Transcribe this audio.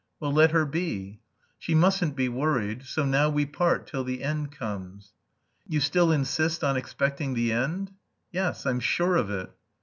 "Well, let her be." "She mustn't be worried. So now we part till the end comes." "You still insist on expecting the end?" "Yes, I'm sure of it."